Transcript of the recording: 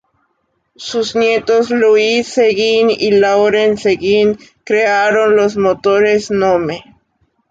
Sus nietos Louis Seguin y Laurent Seguin crearon los motores Gnome.